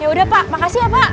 ya udah pak makasih ya pak